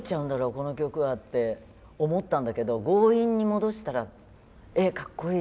この曲は？って思ったんだけど強引に戻したらえっカッコいい！